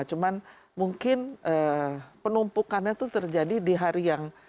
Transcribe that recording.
cuman mungkin penumpukannya itu terjadi di hari yang